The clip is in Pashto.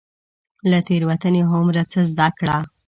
له تيروتني هرمروه څه زده کړه .